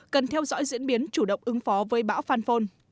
cần theo dõi diễn biến chủ động ứng phó với bão phan phôn